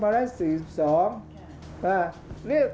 ภาคอีสานแห้งแรง